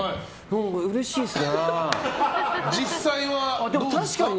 うれしいですね。